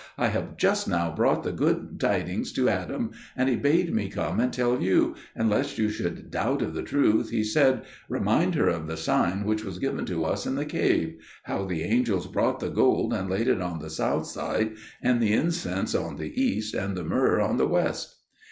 I have just now brought the good tidings to Adam, and he bade me come and tell you; and lest you should doubt of the truth, he said, 'Remind her of the sign which was given to us in the cave: how the angels brought the gold and laid it on the south side, and the incense on the east, and the myrrh on the west.'"